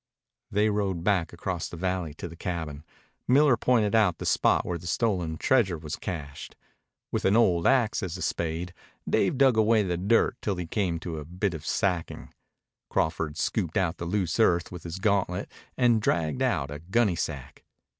They rode back across the valley to the cabin. Miller pointed out the spot where the stolen treasure was cached. With an old axe as a spade Dave dug away the dirt till he came to a bit of sacking. Crawford scooped out the loose earth with his gauntlet and dragged out a gunnysack.